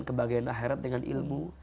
kebahagiaan akhirat dengan ilmu